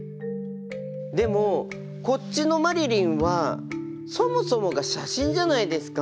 でもこっちの「マリリン」はそもそもが写真じゃないですか。